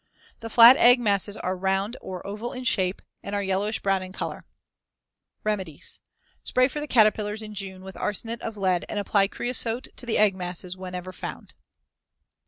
The flat egg masses are round or oval in shape, and are yellowish brown in color. See Fig. 102. Remedies: Spray for the caterpillars in June with arsenate of lead and apply creosote to the egg masses whenever found.